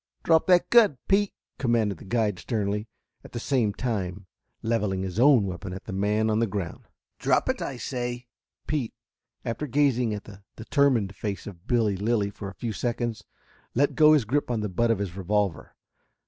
"Drop that gun, Pete!" commanded the guide sternly, at the same time leveling his own weapon at the man on the ground. "Drop it, I say!" Pete, after gazing at the determined face of Billy Lilly for a few seconds, let go his grip on the butt of his revolver.